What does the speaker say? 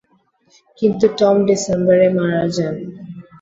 কিন্তু টম ডিসেম্বরে মারা যান।